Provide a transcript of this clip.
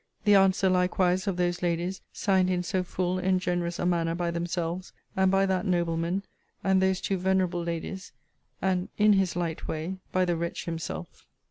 The answer likewise of those ladies, signed in so full and generous a manner by themselves,* and by that nobleman, and those two venerable ladies; and, in his light way, by the wretch himself.